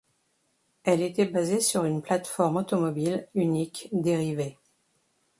Elle était basée sur une plate-forme automobile unique dérivée.